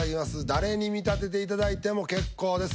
誰に見立てていただいても結構です。